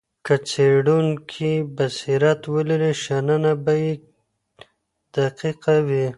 که څېړونکی بصیرت ولري شننه به یې دقیقه وي.